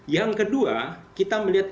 yang kedua kita melihat